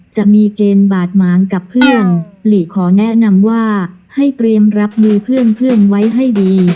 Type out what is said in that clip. จะมีเกณฑ์บาดหมางกับเพื่อนหลีขอแนะนำว่าให้เตรียมรับมือเพื่อนไว้ให้ดี